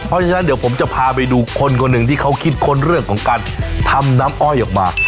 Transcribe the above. เพราะฉะนั้นเดี๋ยวผมจะพาไปดูคนคนหนึ่งที่เขาคิดค้นเรื่องของการทำน้ำอ้อยออกมา